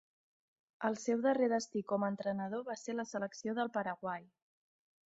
El seu darrer destí com a entrenador va ser la selecció del Paraguai.